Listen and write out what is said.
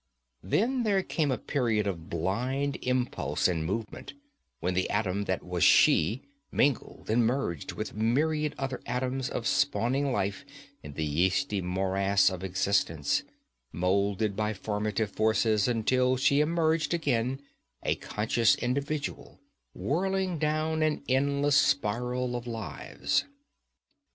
Then there came a period of blind impulse and movement, when the atom that was she mingled and merged with myriad other atoms of spawning life in the yeasty morass of existence, molded by formative forces until she emerged again a conscious individual, whirling down an endless spiral of lives.